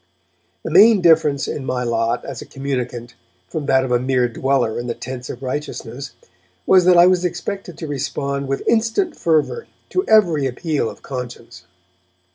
The main difference in my lot as a communicant from that of a mere dweller in the tents of righteousness was that I was expected to respond with instant fervour to every appeal of conscience.